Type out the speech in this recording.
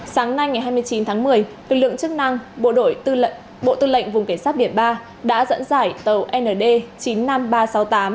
sáng nay ngày hai mươi chín tháng một mươi lực lượng chức năng bộ đội vùng cảnh sát biển ba đã dẫn dải tàu nd chín mươi năm nghìn ba trăm sáu mươi tám